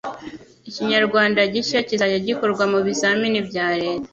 Ikinyarwanda 'gishya' kizajya gikorwa mu bizamini bya leta